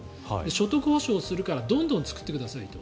所得保証するからどんどん作ってくださいと。